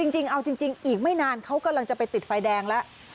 จริงเอาจริงอีกไม่นานเขากำลังจะไปติดไฟแดงแล้ว